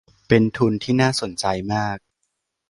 เป็นทุนที่น่าสนใจมาก